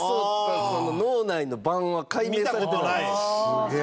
すげえ。